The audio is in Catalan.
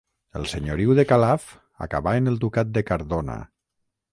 El senyoriu de Calaf acabà en el ducat de Cardona.